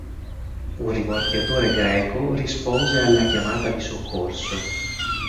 Un rimorchiatore greco rispose alla chiamata di soccorso.